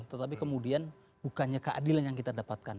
tetapi kemudian bukannya keadilan yang kita dapatkan